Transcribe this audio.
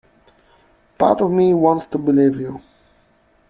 Part of me wants to believe you.